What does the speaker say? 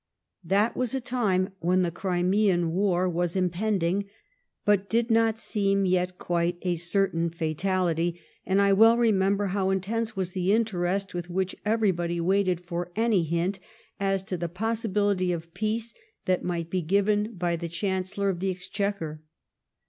That was a time when the Crimean War was impending but did not seem yet quite a certain fatality, and I well remember how intense was the interest with which everybody waited for any hint as to the possibility of peace that might be given by the Chancellor of the Exchequer.